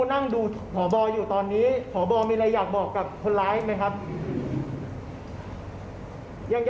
ฟังท่านเพิ่มค่ะบอกว่าถ้าผู้ต้องหาหรือว่าคนก่อเหตุฟังอยู่